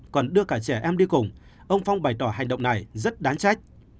còn đưa cả trẻ em đi cùng ông phong bày tỏ hành động này rất đáng trách